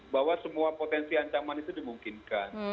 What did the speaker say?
bahwa semua potensi ancaman itu dimungkinkan